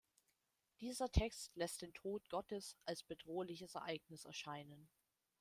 Dieser Text lässt den Tod Gottes als bedrohliches Ereignis erscheinen.